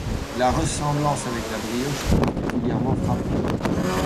La ressemblance avec la brioche est particulièrement frappante.